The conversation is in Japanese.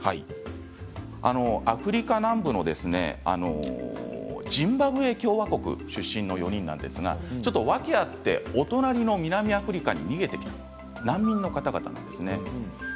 アフリカ南部のジンバブエ共和国出身の４人なんですが訳があってお隣の南アフリカに逃げてきた難民の方々なんです。